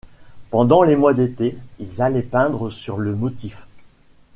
Pendant les mois d'été, ils allaient peindre sur le motif.